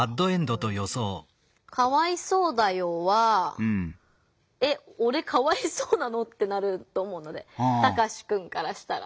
「かわいそうだよー」は「えっおれかわいそうなの？」ってなると思うのでタカシくんからしたら。